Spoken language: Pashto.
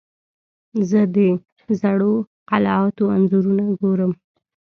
زه د زړو قلعاتو انځورونه ګورم.